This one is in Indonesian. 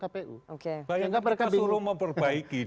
kpu oke banyak yang disuruh memperbaiki